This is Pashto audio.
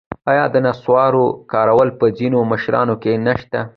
آیا د نصوارو کارول په ځینو مشرانو کې نشته؟